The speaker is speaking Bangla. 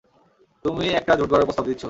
তুমি একটা জোট গড়ার প্রস্তাব দিচ্ছ।